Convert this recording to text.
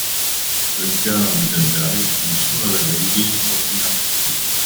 A girl with a dog and two other ladies walking on a street.